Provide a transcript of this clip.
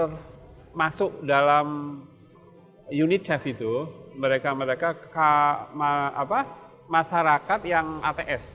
yang masuk dalam unit chef itu mereka mereka masyarakat yang ats